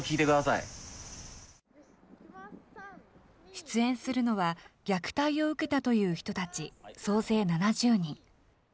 出演するのは、虐待を受けたという人たち、総勢７０人。